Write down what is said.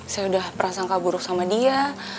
saya udah perasaan kaburuk sama dia